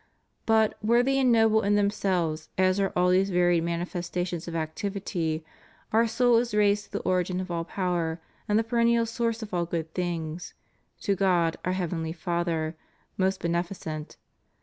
But, worthy and noble in themselves as are all these varied manifestations of activity. Our soul is raised to the origin of all power and the perennial source of all good things, to God our Heavenly Father, most beneficent.